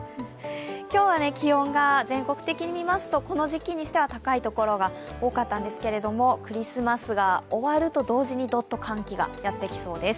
今日は気温が全国的にみますとこの時期にしては高い所が多かったんですけれどもクリスマスが終わると同時にどっと寒気がやってきそうです。